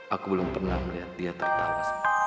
aku belum pernah melihat dia tertawa